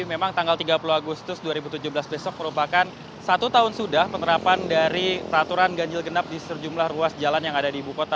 memang tanggal tiga puluh agustus dua ribu tujuh belas besok merupakan satu tahun sudah penerapan dari peraturan ganjil genap di sejumlah ruas jalan yang ada di ibu kota